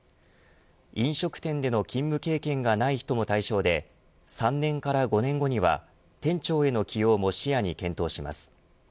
飲食店での勤務経験がない人も対象で３年から５年後には店長への起用も視野に検討します。